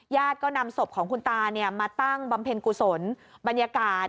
ญาติก็นำศพของคุณตามาตั้งบำเพ็ญกุศลบรรยากาศ